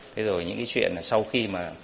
thế rồi những cái chuyện là sau khi mà